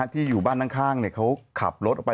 ที่อยู่บ้านข้างเขาขับรถออกไป